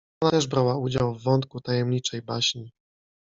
Ona też brała udział w wątku tajemniczej baśni.